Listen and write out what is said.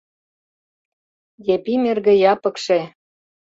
Епим эрге Япыкше